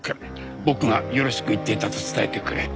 僕がよろしく言っていたと伝えてくれ。